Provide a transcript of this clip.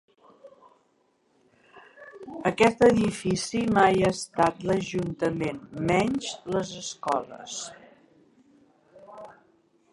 Aquest edifici mai ha estat l'ajuntament i menys les escoles.